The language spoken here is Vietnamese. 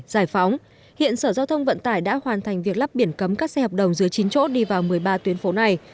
giải phóng hiện sở giao thông vận tải đã hoàn thành việc lắp biển cấm các xe hợp đồng dưới chín chỗ đi vào một mươi ba tuyến phố này